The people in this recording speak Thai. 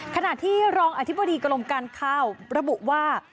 ขณะที่รองอธิบดีกรมการข้าวระบุว่า